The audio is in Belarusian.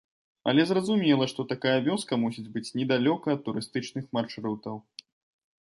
Але зразумела, што такая вёска мусіць быць недалёка ад турыстычных маршрутаў.